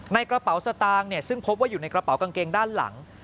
กระเป๋าสตางค์ซึ่งพบว่าอยู่ในกระเป๋ากางเกงด้านหลัง